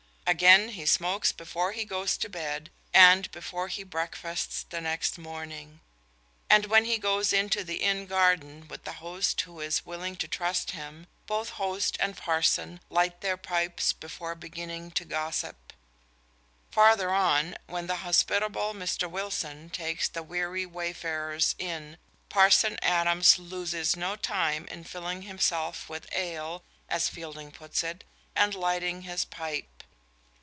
Again, he smokes before he goes to bed, and before he breakfasts the next morning; and when he goes into the inn garden with the host who is willing to trust him, both host and parson light their pipes before beginning to gossip. Farther on, when the hospitable Mr. Wilson takes the weary wayfarers in, Parson Adams loses no time in filling himself with ale, as Fielding puts it, and lighting his pipe.